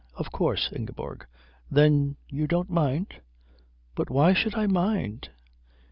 Of course, Ingeborg." "Then you don't mind?" "But why should I mind?"